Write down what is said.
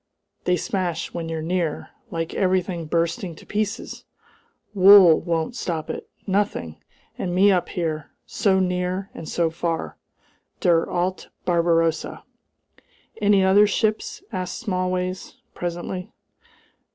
They smash when you're near! Like everything bursting to pieces! Wool won't stop it nothing! And me up here so near and so far! Der alte Barbarossa!" "Any other ships?" asked Smallways, presently.